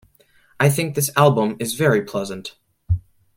I think this album is very pleasant.